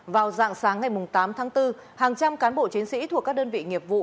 vào dạng sáng ngày tám tháng bốn hàng trăm cán bộ chiến sĩ thuộc các đơn vị nghiệp vụ